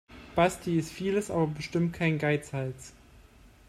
Basti ist vieles, aber bestimmt kein Geizhals.